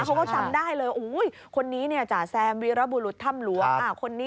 เค้าก็จำได้เลยโอ้โหคนนี้เนี่ยจระแซมวิรบุรุษธังหลวง